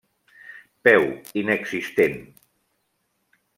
Peu: inexistent.